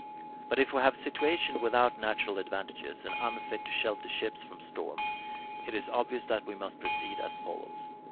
But if we have a situation without natural advantages, and unfit to shelter ships from storms, it is obvious that we must proceed as follows.